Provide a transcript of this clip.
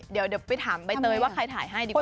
เดี๋ยวไปถามใบเตยว่าใครถ่ายให้ดีกว่า